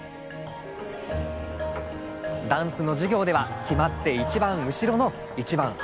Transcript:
ダンスの授業では決まって一番後ろの一番端っこに。